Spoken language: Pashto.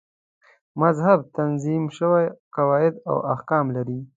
مذهب تنظیم شوي قواعد او احکام لري.